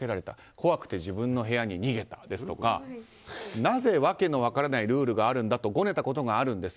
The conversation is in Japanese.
怖くて自分の部屋に逃げたですとかなぜ訳の分からないルールがあるんだとごねたことがあるんです。